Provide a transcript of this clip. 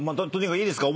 いいですか？